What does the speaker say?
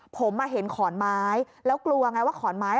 ผมเห็นขอนไม้แล้วกลัวไงว่าขอนไม้